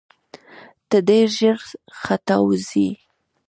ته ډېر ژر ختاوزې !